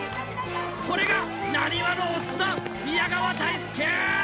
これがなにわのおっさん宮川大輔！